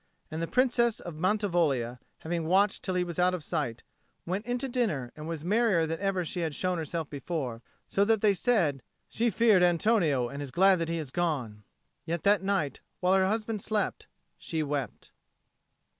And the Princess of Mantivoglia, having watched till he was out of sight, went into dinner, and was merrier than ever she had shown herself before; so that they said, "She feared Antonio and is glad that he is gone." Yet that night, while her husband slept, she wept.